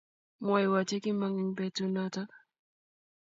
Mwaiwo che kie mong eng betut notok